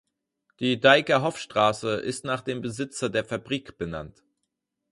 Die Dyckerhoffstraße ist nach dem Besitzer der Fabrik benannt.